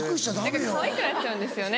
かわいくなっちゃうんですよね。